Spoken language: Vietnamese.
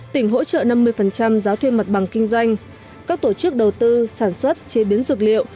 tỉnh hỗ trợ năm mươi giá thuê mặt bằng kinh doanh các tổ chức đầu tư sản xuất chế biến dược liệu